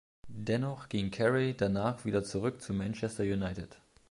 Dennoch ging Carey danach wieder zurück zu Manchester United.